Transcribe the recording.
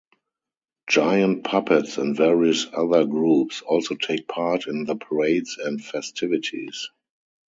Giant puppets and various other groups also take part in the parades and festivities.